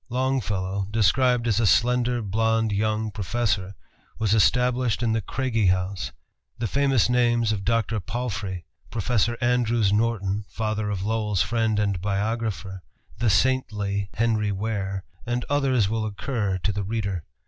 Longfellow, described as "a slender, blond young professor," was established in the Craigie House. The famous names of Dr. Palfrey, Professor Andrews Norton, father of Lowell's friend and biographer, the "saintly" Henry Ware, and others will occur to the reader.